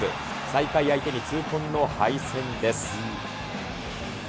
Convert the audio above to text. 最下位相手に痛恨の敗戦です。